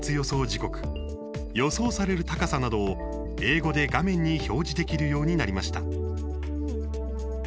時刻予想される高さなどを英語で画面に表示できるようになりました。